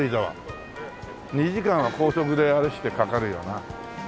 ２時間は高速であれしてかかるよな。